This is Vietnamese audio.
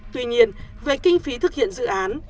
tuy nhiên về kinh phí thực hiện dự án